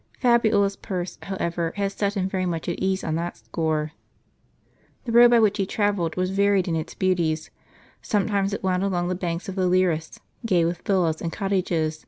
Fabiola's purse, however, had set him very much at ease on that score. The road by which he travelled was varied in its beauties. Sometimes it wound along the banks of the Liris, gay with villas and cottages.